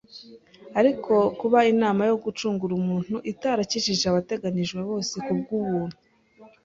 ariko kuba inama yo gucungura umuutu itarakijije abateganijwe bose kubw'ubuntu,